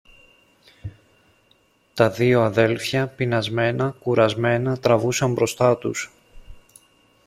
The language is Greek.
Τα δυο αδέλφια, πεινασμένα, κουρασμένα, τραβούσαν μπροστά τους.